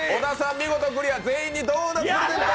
見事クリア全員にドーナツプレゼント。